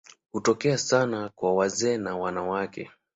Hutokea sana kwa wazee na wanawake.